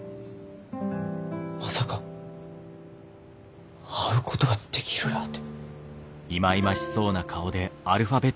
まさか会うことができるらあて。